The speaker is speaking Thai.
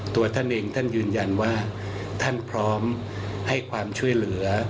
ตัวท่านเองท่านยืนยันว่าท่านพร้อมให้ความช่วยเหลือ